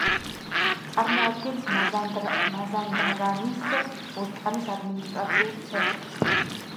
წარმოადგენს მაზანდარანის ოსტანის ადმინისტრაციულ ცენტრს.